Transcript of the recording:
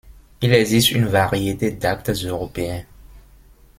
Il existe une variété d'actes européens.